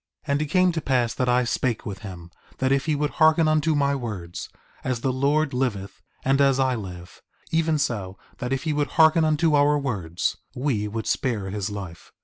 4:32 And it came to pass that I spake with him, that if he would hearken unto my words, as the Lord liveth, and as I live, even so that if he would hearken unto our words, we would spare his life.